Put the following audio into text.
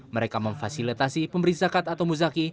mereka memfasilitasi pemberi zakat atau muzaki